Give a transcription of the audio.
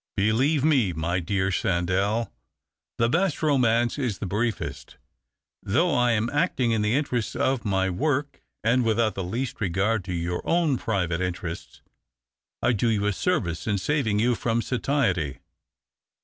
"Believe me, my dear Sandell, the best romance is the briefest. Thousfh I am actino in the interests of my work and without the least regard to your own private interests, I do you a service in saving you from satiety.